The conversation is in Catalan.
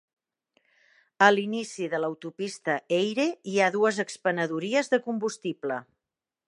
A l'inici de l'autopista Eyre hi ha dues expenedories de combustible.